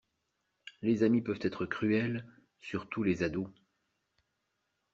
Les amis peuvent être cruels, surtout les ados.